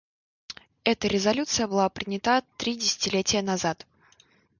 Эта резолюция была принята три десятилетия назад.